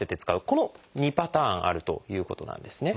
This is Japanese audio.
この２パターンあるということなんですね。